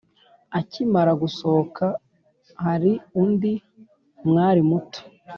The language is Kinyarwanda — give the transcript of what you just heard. akimara gusohoka hari undi mwali muto